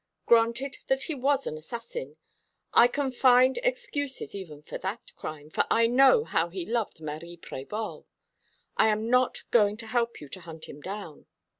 Granted that he was an assassin. I can find excuses even for that crime, for I know how he loved Marie Prévol. I am not going to help you to hunt him down.